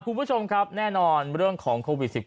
คุณผู้ชมครับแน่นอนเรื่องของโควิด๑๙